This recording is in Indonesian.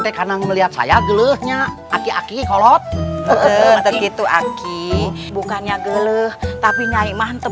teh karena melihat saya geluhnya aki aki kolot eh begitu aki bukannya geluh tapi nyai mah ntar